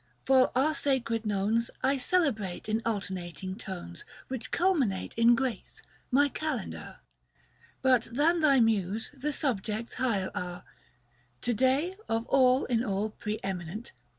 For our sacred Nones 1 celebrate in alternating tones 115 Which culminate in grace, my kalendar : But than my muse, the subjects higher are : To day, of all in all pre eminent.